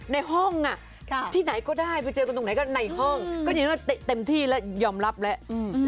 ในห้องที่ไหนก็ได้ไปเจอกันตรงไหนก็ในห้องก็เห็นว่าเต็มที่แล้วยอมรับแล้ว